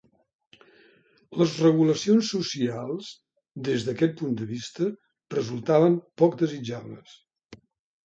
Les regulacions socials, des d'aquest punt de vista, resultaven poc desitjables.